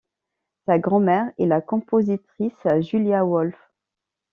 Sa grand-mère est la compositrice Julia Woolf.